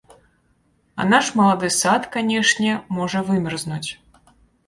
А наш малады сад, канешне, можа вымерзнуць.